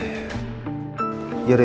dua hari lagi